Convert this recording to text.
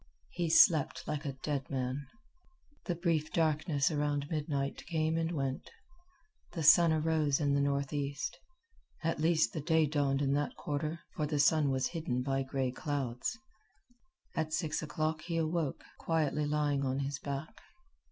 He slept like a dead man. The brief darkness around midnight came and went. The sun arose in the northeast at least the day dawned in that quarter, for the sun was hidden by gray clouds. At six o'clock he awoke, quietly lying on his back.